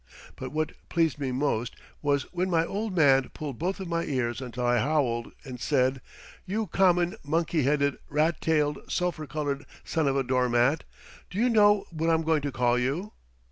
But what pleased me most was when my old man pulled both of my ears until I howled, and said: "You common, monkey headed, rat tailed, sulphur coloured son of a door mat, do you know what I'm going to call you?"